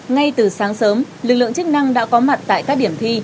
ngay từ sáng sớm lực lượng chức năng đã có mặt tại các điểm thi